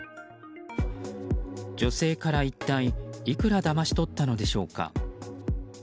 女性から一体いくらだまし取ったのでしょうか。